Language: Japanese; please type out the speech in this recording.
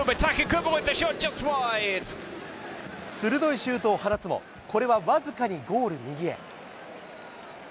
鋭いシュートを放つも、これは僅かにゴール右へ。